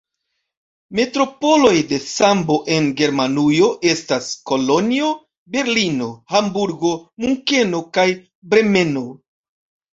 Metropoloj de sambo en Germanujo estas Kolonjo, Berlino, Hamburgo, Munkeno kaj Bremeno.